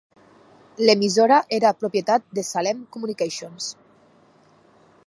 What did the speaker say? L'emissora era propietat de Salem Communications.